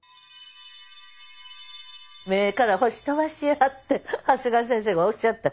「目から星飛ばしや」って長谷川先生がおっしゃって。